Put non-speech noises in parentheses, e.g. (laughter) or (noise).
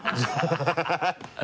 ハハハ (laughs)